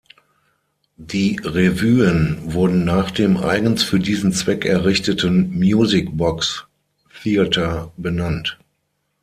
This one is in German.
Die Revuen wurden nach dem eigens für diesen Zweck errichteten Music Box Theatre benannt.